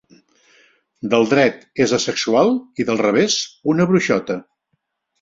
Del dret és asexual i del revés una bruixota.